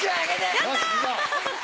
やった！